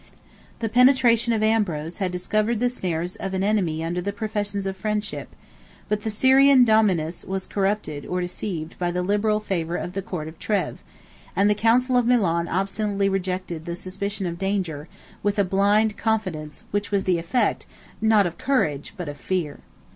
The penetration of Ambrose had discovered the snares of an enemy under the professions of friendship; 73 but the Syrian Domninus was corrupted, or deceived, by the liberal favor of the court of Treves; and the council of Milan obstinately rejected the suspicion of danger, with a blind confidence, which was the effect, not of courage, but of fear.